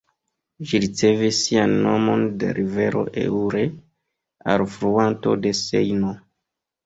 Ĝi ricevis sian nomon de la rivero Eure, alfluanto de Sejno.